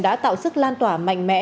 đã tạo sức lan tỏa mạnh mẽ